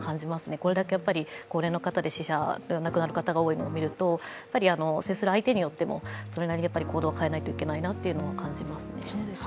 これだけ高齢の方で亡くなる方が多いのを見ると、接する相手によっても、それなりに行動を変えないといけないなっていうのは感じますね。